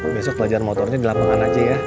besok belajar motornya di lapangan aja ya